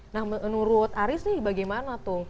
nah menurut aris nih bagaimana tuh